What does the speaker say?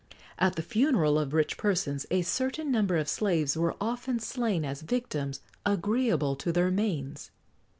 [XX 101] At the funeral of rich persons, a certain number of slaves were often slain as victims agreeable to their manes.